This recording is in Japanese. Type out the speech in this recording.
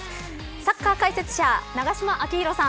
サッカー解説者、永島昭浩さん